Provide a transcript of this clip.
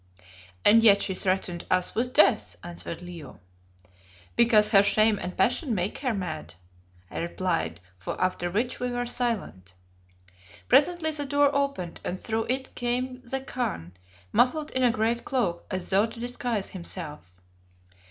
"And yet she threatened us with death," answered Leo. "Because her shame and passion make her mad," I replied, after which we were silent. Presently the door opened, and through it came the Khan, muffled in a great cloak as though to disguise himself.